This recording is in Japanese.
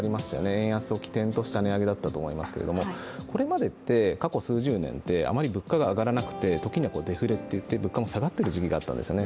円安を起点にした値上げだと思うんですが、これまで過去数十年ってあまり物価が上がらなくてときにはデフレといって下がった時期もあったんですね。